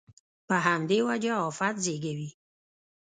په همدې وجه افت زېږوي.